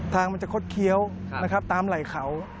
ทางมันจะคดเคี้ยวนะครับตามไหล่เขา